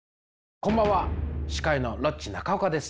こんばんは司会のロッチ中岡です。